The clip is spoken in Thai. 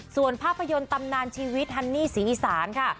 ส่วนภาพยนตร์ตำนานชีวิตฮันนี่ศรีอีสานค่ะ